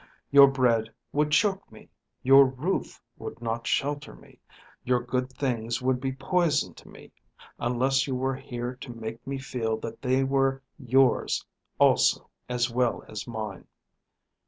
Your bread would choke me. Your roof would not shelter me. Your good things would be poison to me, unless you were here to make me feel that they were yours also as well as mine.